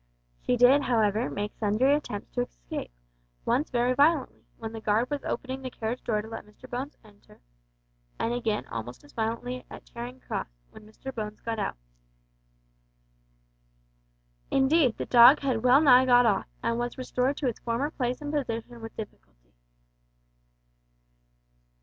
She did, however, make sundry attempts to escape once very violently, when the guard was opening the carriage door to let Mr Bones enter, and again almost as violently at Charing Cross, when Mr Bones got out. Indeed, the dog had well nigh got off, and was restored to its former place and position with difficulty.